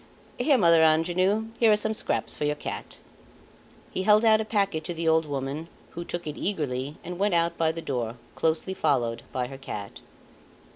"Here, Mother Angenoux, here are some scraps for your cat." He held out a packet to the old woman, who took it eagerly and went out by the door, closely followed by her cat.